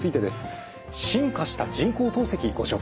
進化した人工透析ご紹介します。